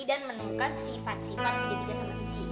dan menunggukan sifat sifat segitiga sama sisi